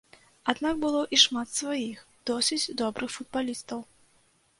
Аднак было і шмат сваіх, досыць добрых футбалістаў.